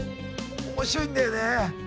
面白いんだよね。